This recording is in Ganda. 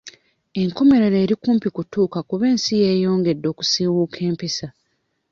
Enkomerero eri kumpi kutuuka kuba ensi eyongedde okusiiwuuka empisa.